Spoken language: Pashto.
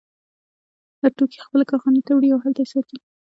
دا توکي خپلې کارخانې ته وړي او هلته یې ساتي